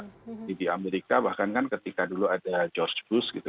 jadi di amerika bahkan kan ketika dulu ada george bush gitu